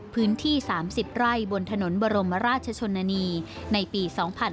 พื้นที่๓๐ไร่บนถนนบรมราชชนนานีในปี๒๕๕๙